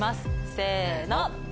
せの。